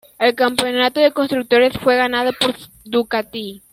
El campeonato de constructores fue ganado por Ducati.